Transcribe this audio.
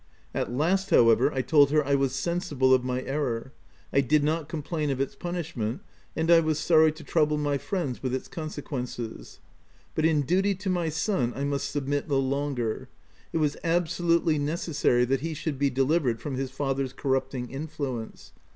At last however, I told her I was sensible of my error : I did not complain of its punishment, and I was sorry to trouble my friends with its consequences ; but in duty to my son, I must submit no longer ; it was absolutely necessary that he should be delivered from his father's corrupting influence.